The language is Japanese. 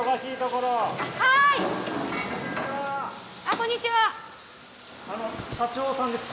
こんにちは。